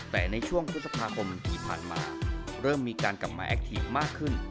แต่ในช่วงพฤษภาคมที่ผ่านมาเริ่มมีการกลับมาแอคทีฟมากขึ้น